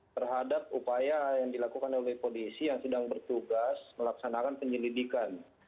terhadap upaya yang dilakukan oleh polisi yang sedang bertugas melaksanakan penyelidikan